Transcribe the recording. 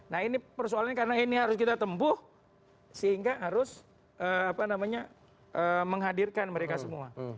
nah ini persoalannya karena ini harus kita tempuh sehingga harus menghadirkan mereka semua